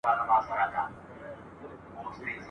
کتاب د انسان فکر ته نوې لارې پرانيزي او د ژوند مانا ژوره کوي ..